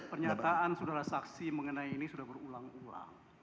pernyataan saudara saksi mengenai ini sudah berulang ulang